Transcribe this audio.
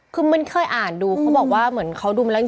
คือมันเคยอ่านดูเขาบอกว่าเหมือนเขาดูมาแล้ว